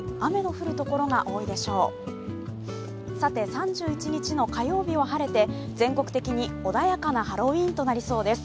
３１日の火曜日は晴れて、全国的に穏やかなハロウィーンとなりそうです。